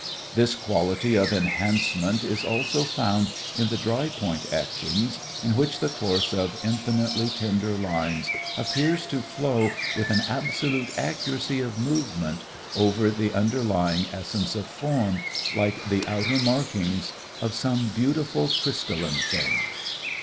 This quality of enhancement is also found in the dry point etchings, in which the course of infinitely tender lines appears to flow with an absolute accuracy of movement over the underlying essence of form, like the outer markings of some beautiful crystalline thing.